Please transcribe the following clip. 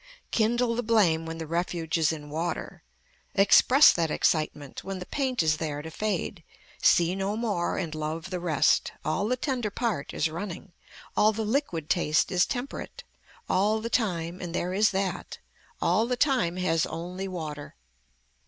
Kindle the blame when the refuge is in water, express that excitement when the paint is there to fade, see no more and love the rest, all the tender part is running, all the liquid taste is temperate, all the time and there is that, all the time has only water.